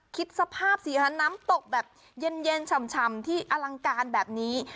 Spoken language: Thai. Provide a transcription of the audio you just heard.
คิดสภาพสิฮะน้ำตกแบบเย็นฉ่ำที่อลังการแบบนี้